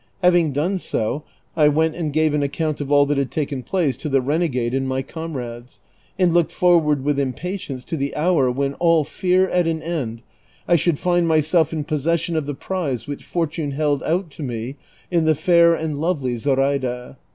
Having done so 1 went and gave an account of all that had taken place to the renegade and my comrades, and looked forward with impatience to the hour when, all fear at an end, I should find myself in possession of the prize which fortune held out to me in the fair and lovely Zoraida.